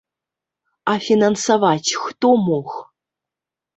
А фінансаваць хто мог?